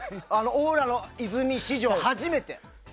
「オーラの泉」史上初めて。